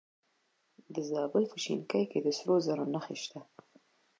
د زابل په شنکۍ کې د سرو زرو نښې شته.